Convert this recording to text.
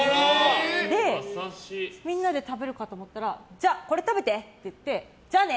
で、みんなで食べるかと思ったらじゃあ、これ食べて！って言ってじゃあね！